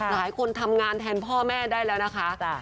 หลายคนทำงานแทนพ่อแม่ได้แล้วนะคะ